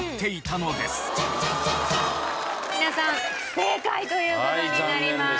皆さん不正解という事になります。